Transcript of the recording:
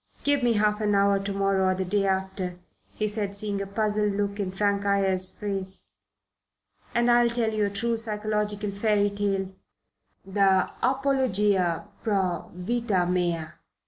Give me half an hour to morrow or the day after," he said, seeing a puzzled look in Frank Ayres's face, "and I'll tell you a true psychological fairy tale the apologia pro vita mea.